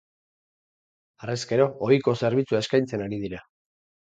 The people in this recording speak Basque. Harrezkero ohiko zerbitzua eskaintzen ari dira.